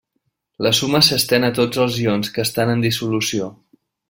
La suma s'estén a tots els ions que estan en dissolució.